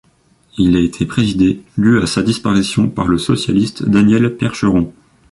Il a été présidé du à sa disparition par le socialiste Daniel Percheron.